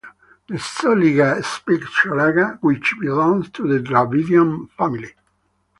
The Soliga speak Sholaga, which belongs to the Dravidian family.